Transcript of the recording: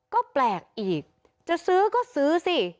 ก็แปลกอีกจะซื้อก็ซื้อสิ